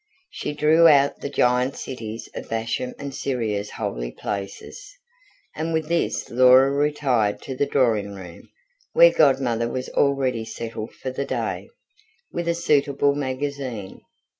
She drew out THE GIANT CITIES OF BASHAN AND SYRIA'S HOLY PLACES, and with this Laura retired to the drawing room, where Godmother was already settled for the day, with a suitable magazine.